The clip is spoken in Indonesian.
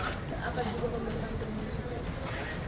apa juga pembentukan tim sukses